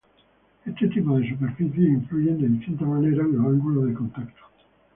Este tipo de superficies influyen de distinta manera en los ángulos de contacto.